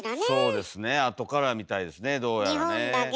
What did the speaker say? そうですね後からみたいですねどうやらね。